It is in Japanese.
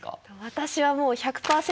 私はもう１００％